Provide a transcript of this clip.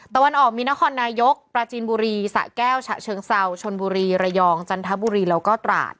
ตะวันออกมีนครนายกปราจีนบุรีสะแก้วฉะเชิงเซาชนบุรีระยองจันทบุรีแล้วก็ตราด